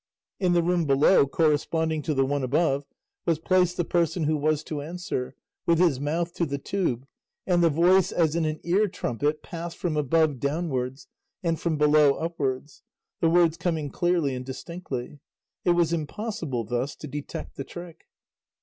In the room below corresponding to the one above was placed the person who was to answer, with his mouth to the tube, and the voice, as in an ear trumpet, passed from above downwards, and from below upwards, the words coming clearly and distinctly; it was impossible, thus, to detect the trick.